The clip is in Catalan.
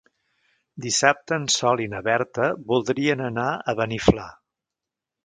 Dissabte en Sol i na Berta voldrien anar a Beniflà.